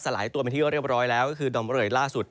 ลายตัวเป็นที่เรียบร้อยแล้วก็คือดอมเรยล่าสุด